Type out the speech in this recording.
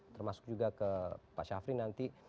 termasuk juga ke pak syafri nanti